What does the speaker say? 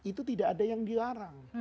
itu tidak ada yang dilarang